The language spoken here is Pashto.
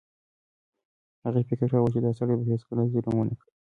هغې فکر کاوه چې دا سړی به هیڅکله ظلم ونه کړي.